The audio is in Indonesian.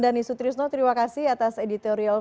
dan isutriusno terima kasih atas editorial